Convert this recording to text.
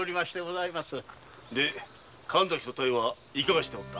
神崎と妙はいかがしておった？